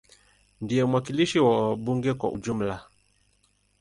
Ndiye mwakilishi wa bunge kwa ujumla.